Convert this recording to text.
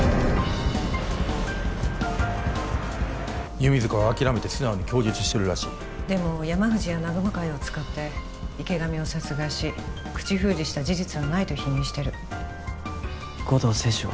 弓塚は諦めて素直に供述してるらしいでも山藤や南雲会を使って池上を殺害し口封じした事実はないと否認してる護道清二は？